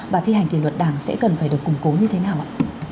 và thi hành kỷ luật đảng sẽ cần phải được củng cố như thế nào ạ